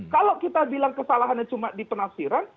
kalau kita bilang kesalahannya cuma di penafsiran